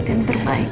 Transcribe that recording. masa yang terbaik